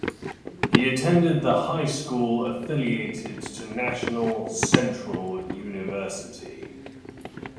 He attended the High School Affiliated to National Central University.